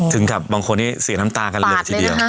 ถึงกับบางคนนี้เสียน้ำตากันเลยทีเดียว